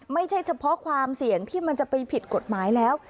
ไม่ใช่เฉพาะความเสี่ยงที่มันจะไปผิดกฎหมายแล้ว